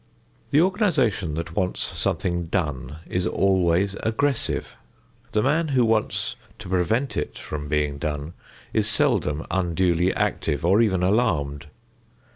The organization that wants something done is always aggressive. The man who wants to prevent it from being done is seldom unduly active or even alarmed.